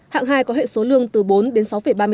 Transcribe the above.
hạng hai có hệ số lương từ bốn đến sáu ba mươi hai